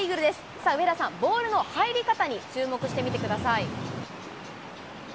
さあ上田さん、ボールの入り方に注目してみてください。